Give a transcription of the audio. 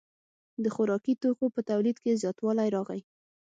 د خوراکي توکو په تولید کې زیاتوالی راغی.